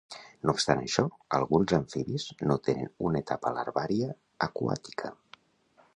No obstant això, alguns amfibis no tenen una etapa larvària aquàtica.